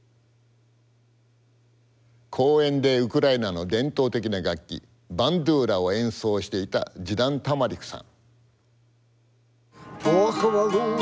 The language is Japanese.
公園でウクライナの伝統的な楽器バンドゥーラを演奏していたジダン・タマリクさん。